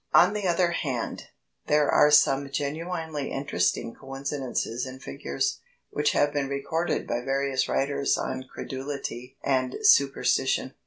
On the other hand, there are some genuinely interesting coincidences in figures, which have been recorded by various writers on credulity and superstition.